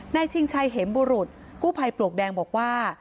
ชิงชัยเห็มบุรุษกู้ภัยปลวกแดงบอกว่า